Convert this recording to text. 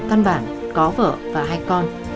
con bạn có vợ và hai con